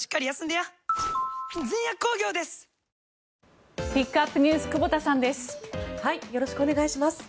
よろしくお願いします。